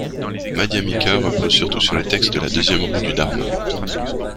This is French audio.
Le Madhyamika repose surtout sur les textes de la deuxième roue du Dharma.